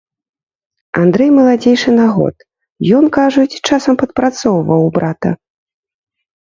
Андрэй маладзейшы на год, ён, кажуць, часам падпрацоўваў у брата.